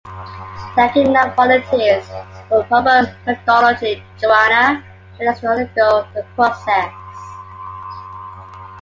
Lacking enough volunteers for proper methodology, Joanna elects to undergo the process.